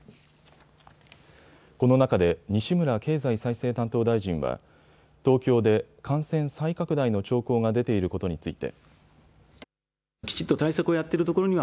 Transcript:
この中で西村経済再生担当大臣は、東京で感染再拡大の兆候が出ていることについて。